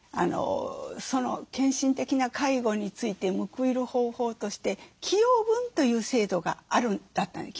その献身的な介護について報いる方法として寄与分という制度があるんだった。